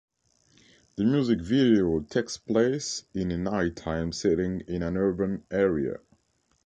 The music video takes place in a nighttime setting in an urban area.